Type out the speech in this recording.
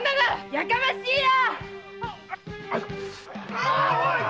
やかましいや！